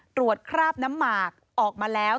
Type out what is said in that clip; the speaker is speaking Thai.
คราบน้ำหมากออกมาแล้ว